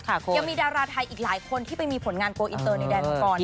ยังมีดาราไทยอีกหลายคนที่ไปมีผลงานโกลอินเตอร์ในแดนมังกร